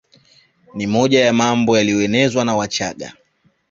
Ni moja ya mambo yaliyoenezwa na Wachagga